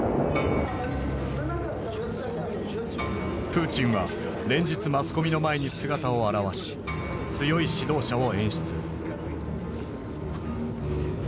プーチンは連日マスコミの前に姿を現し強い指導者を演出。